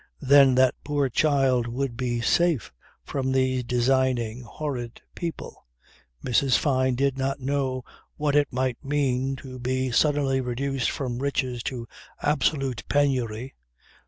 Then that poor child would be safe from these designing, horrid people. Mrs. Fyne did not know what it might mean to be suddenly reduced from riches to absolute penury.